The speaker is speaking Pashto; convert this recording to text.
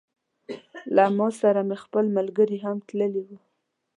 له ما سره مې خپل ملګري هم تللي وه.